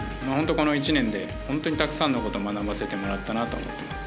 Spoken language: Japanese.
この１年で本当にたくさんのことを学ばせてもらったなと思います。